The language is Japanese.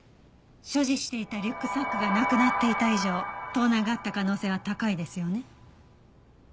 所持していたリュックサックがなくなっていた以上盗難があった可能性は高いですよね？